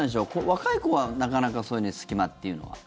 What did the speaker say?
若い子はなかなかそういう隙間というのは。